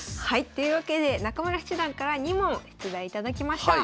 というわけで中村七段から２問出題頂きました。